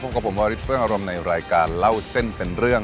พบกับผมวอริฟเฟิร์นอรมในรายการเล่าเซ็นเป็นเรื่อง